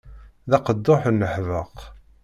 D aqedduḥ n leḥbeq.